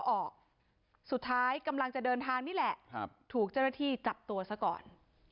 ออกสุดท้ายกำลังจะเดินทางนี่แหละถูกเจ้าหน้าที่จับตัวซะก่อน